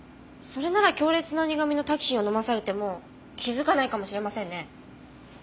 それなら強烈な苦味のタキシンを飲まされても気づかないかもしれませんね。